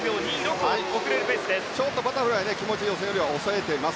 バタフライ気持ち予選よりは抑えています。